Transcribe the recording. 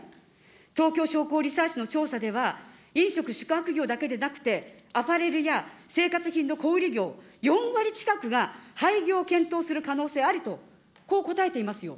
東京商工リサーチの調査では、飲食、宿泊業だけでなくて、アパレルや生活品の小売り業、４割近くが廃業を検討する可能性ありとこう答えていますよ。